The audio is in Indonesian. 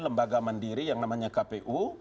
lembaga mandiri yang namanya kpu